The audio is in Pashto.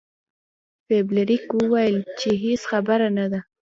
فلیریک وویل چې هیڅ خبره نه ده.